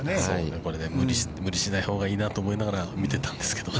◆これで無理しないほうがいいなと思いながら見てたんですけどね。